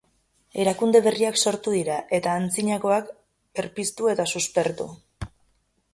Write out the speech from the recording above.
Erakunde berriak sortu dira eta antzinakoak berpiztu eta suspertu.